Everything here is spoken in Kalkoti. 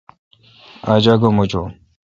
آج آگہ موچون۔